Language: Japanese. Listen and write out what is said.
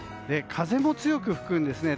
風も強く吹くんですね。